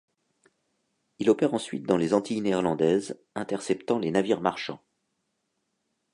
Il opère ensuite dans les Antilles néerlandaises, interceptant les navires marchands.